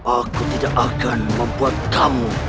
aku tidak akan membuat kamu